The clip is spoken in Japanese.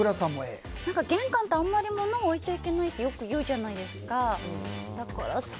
玄関てあんまり物を置いちゃいけないってよく言うじゃないですか。